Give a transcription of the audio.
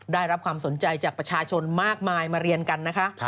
ได้รับความสนใจจากประชาชนมากมายมาเรียนกันนะคะ